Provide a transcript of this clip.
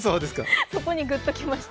そこにグッときました。